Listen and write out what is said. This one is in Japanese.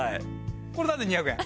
これなぜ２００円？